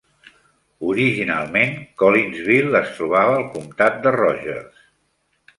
Originalment, Collinsville es trobava al comtat de Rogers.